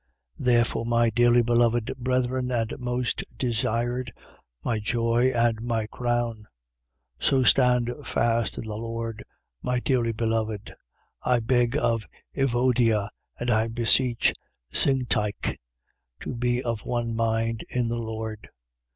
4:1. Therefore my dearly beloved brethren and most desired, my joy and my crown: so stand fast in the Lord, my dearly beloved. 4:2. I beg of Evodia and I beseech Syntyche to be of one mind in the Lord.